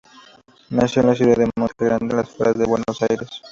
Nació en la ciudad de Monte Grande, en las afueras de Buenos Aires.